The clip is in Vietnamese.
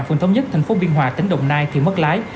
phường thống nhất thành phố biên hòa tỉnh đồng nai thì mất lái